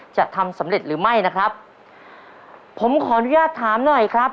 จะทำสำเร็จหรือไม่นะครับผมขออนุญาตถามหน่อยครับ